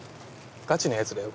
ガチのやつだよ